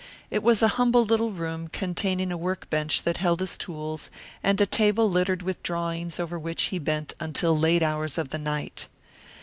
It was a humble little room containing a work bench that held his tools and a table littered with drawings over which he bent until late hours of the night.